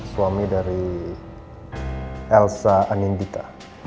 suami dari elsa anindita